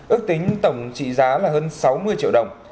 ước tính tổng trị giá là hơn sáu mươi triệu đồng